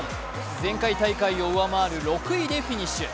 前回大会を上回る６位でフィニッシュ。